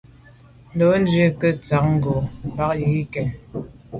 Ndo’ ntshui nke ntshan ngo’ bàn yi ke yen.